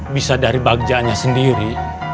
bisa dari bagjanya sendiri